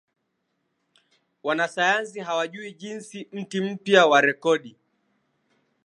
Wanasayansi hawajui Jinsi Mti mpya wa rekodi